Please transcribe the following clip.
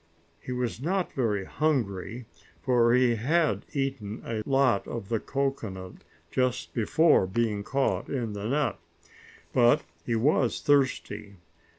He was not very hungry, for he had eaten a lot of the cocoanut just before being caught in the net. But he was thirsty.